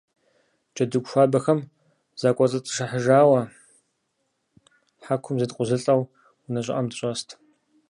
Джэдыгу хуабэхэм закӀуэцӀытшыхьыжауэ хьэкум зеткъузылӀэу унэ щӀыӀэм дыщӏэст.